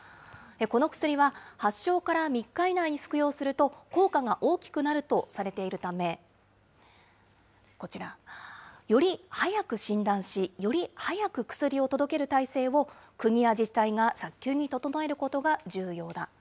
この薬は、発症から３日以内に服用すると効果が大きくなるとされているため、こちら、より早く診断し、より早く薬を届ける体制を、国や自治体が早急に整えることが重要だ。